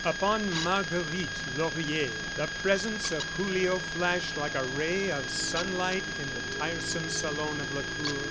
Upon Marguerite Laurier the presence of Julio flashed like a ray of sunlight in the tiresome salon of Lacour.